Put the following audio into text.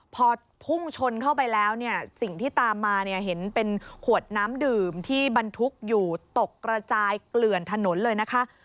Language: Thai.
พอพุ่งชนเข้าไปแล้วเนี่ยสิ่งที่ตามมาเนี่ยเห็นเป็นขวดน้ำดื่มที่บรรทุกอยู่ตกกระจายเกลื่อนถนนเลยนะคะ